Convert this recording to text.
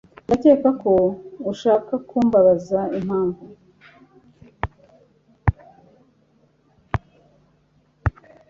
Ndakeka ko ushaka kumbaza impamvu